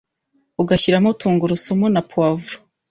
ugashyiramo tungurusumu na puwavuro